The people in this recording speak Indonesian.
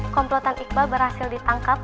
komplotan iqbal berhasil ditangkap